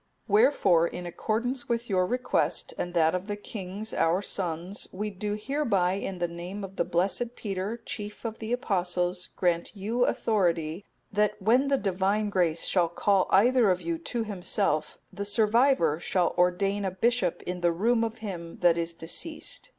"Wherefore, in accordance with your request, and that of the kings our sons,(261) we do hereby in the name of the blessed Peter, chief of the Apostles, grant you authority, that when the Divine Grace shall call either of you to Himself, the survivor shall ordain a bishop in the room of him that is deceased.